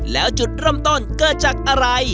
แล้วจุดเริ่มต้นเกิดจากอะไร